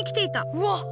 うわっ